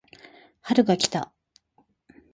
春が来た